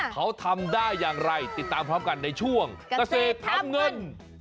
เขาทำได้อย่างไรติดตามพร้อมกันในช่วงเกษตรทำเงิน